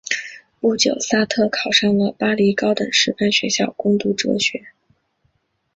不久萨特考上了巴黎高等师范学校攻读哲学。